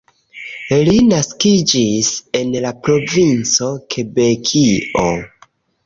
Li naskiĝis en la provinco Kebekio.